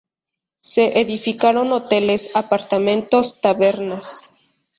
Se edificaron hoteles, apartamentos, tabernas...